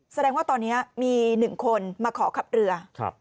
แสดงว่าตอนนี้มี๑คนมาขอขับเรือ